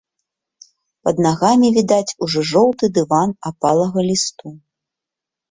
Пад нагамі відаць ужо жоўты дыван апалага лісту.